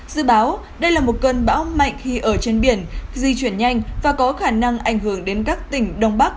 dự báo đây là một cơn bão mạnh khi ở trên biển di chuyển nhanh và có khả năng ảnh hưởng đến các tỉnh đông bắc